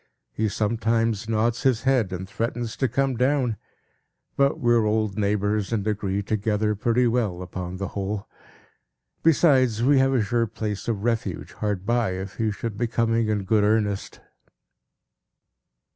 "He sometimes nods his head, and threatens to come down; but we are old neighbors, and agree together pretty well, upon the whole. Besides, we have a sure place of refuge, hard by, if he should be coming in good earnest."